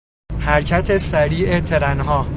حرکت سریع ترنها